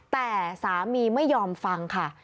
แต่สามีไม่ยอมฟังค่ะ